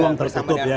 ruang tertutup ya